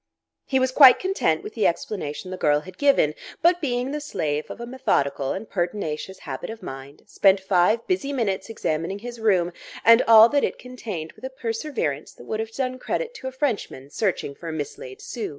He was quite content with the explanation the girl had given, but being the slave of a methodical and pertinacious habit of mind, spent five busy minutes examining his room and all that it contained with a perseverance that would have done credit to a Frenchman searching for a mislaid sou.